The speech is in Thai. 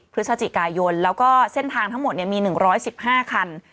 พฤศจิกายนแล้วก็เส้นทางทั้งหมดมี๑๑๕คัน